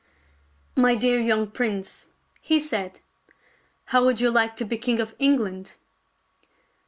" My dear young prince," he said, " how would you like to be king of England